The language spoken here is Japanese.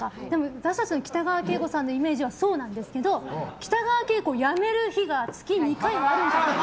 私たちの北川景子さんのイメージはそうなんですけど北川景子やめる日が月２回はあるんじゃないか。